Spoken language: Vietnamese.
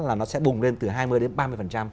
là nó sẽ bùng lên từ hai mươi đến ba mươi